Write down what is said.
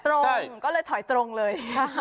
ตรงก็เลยถอยตรงเลย